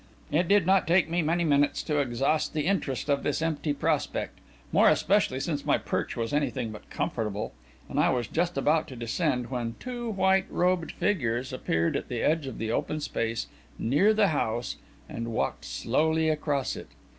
It did not take me many minutes to exhaust the interest of this empty prospect, more especially since my perch was anything but comfortable, and I was just about to descend, when two white robed figures appeared at the edge of the open space near the house and walked slowly across it.